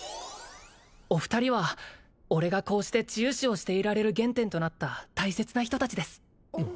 お二人は俺がこうして治癒士をしていられる原点となった大切な人達です